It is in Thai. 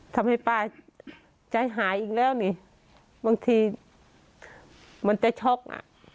ทำให้ป้าใจหายอีกแล้วนี่บางทีมันจะช็อกอ่ะ